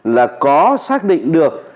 là có xác định được